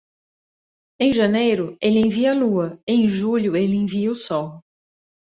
Em janeiro, ele envia a lua e em julho ele envia o sol.